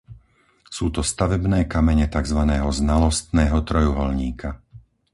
Sú to stavebné kamene takzvaného znalostného trojuholníka.